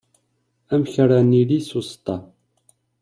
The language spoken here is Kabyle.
Amek ara nili susṭa?